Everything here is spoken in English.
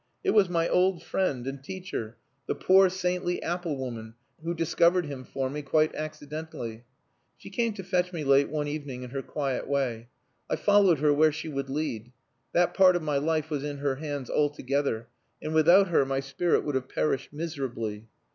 It was my old friend and teacher, the poor saintly apple woman, who discovered him for me, quite accidentally. She came to fetch me late one evening in her quiet way. I followed her where she would lead; that part of my life was in her hands altogether, and without her my spirit would have perished miserably.